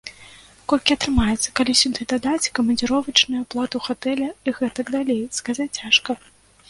Колькі атрымаецца, калі сюды дадаць камандзіровачныя, аплату гатэля і гэтак далей, сказаць цяжка.